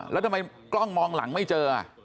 แล้วทำไมกล้องมองหลังไม่เจอ